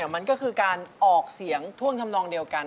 มันก็คือการออกเสียงท่วงทำนองเดียวกัน